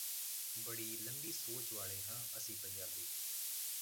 ਬੜੀ ਲੰਮੀ ਸੋਚ ਵਾਲੇ ਹਾਂ ਅਸੀਂ ਪੰਜਾਬੀ